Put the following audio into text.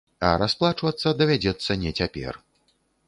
А расплачвацца давядзецца не цяпер.